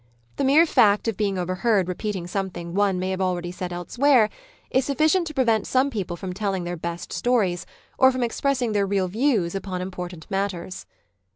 The mere fact of being overheard repeating something one may have already said elsewhere is sufficient to prevent some people from telling their best stories, or from expressing their real views upon important matters.